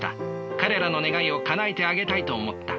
彼らの願いをかなえてあげたいと思った。